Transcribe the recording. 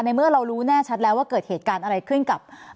เมื่อเรารู้แน่ชัดแล้วว่าเกิดเหตุการณ์อะไรขึ้นกับ